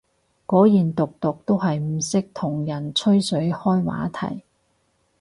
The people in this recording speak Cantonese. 果然毒毒都係唔識同人吹水開話題